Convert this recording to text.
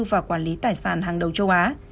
và quản lý tài sản hàng đầu châu á